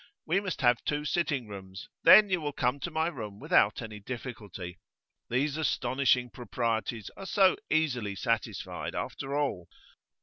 We must have two sitting rooms; then you will come to my room without any difficulty. These astonishing proprieties are so easily satisfied after all.